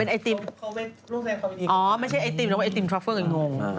เป็นไอติมอ๋อไม่ใช่ไอติมแต่ว่าไอติมทรัฟเฟิลอย่างงง